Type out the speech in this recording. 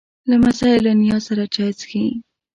لمسی له نیا سره چای څښي.